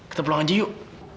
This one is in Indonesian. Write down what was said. kita pulang aja yuk